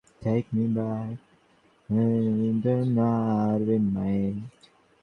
সতীশ ব্যগ্র হইয়া কহিল, না দিদি, আমি কিছু অস্থির করব না।